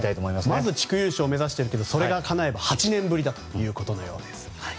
まず地区優勝を目指してそれがかなえば８年ぶりということです。